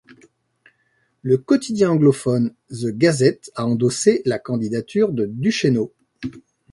Le quotidien anglophone The Gazette a endossé la candidature de Duchesneau.